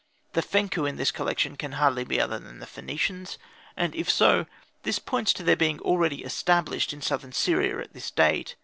The Fenkhu in this connection can hardly be other than the Phoenicians; and, if so, this points to their being already established in southern Syria at this date.